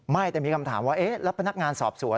ไม่แต่มีคำถามว่าเอ๊ะแล้วพนักงานสอบสวน